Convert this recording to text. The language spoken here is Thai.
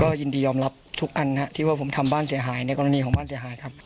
ยินดียอมรับทุกอันที่ว่าผมทำบ้านเสียหายในกรณีของบ้านเสียหายครับ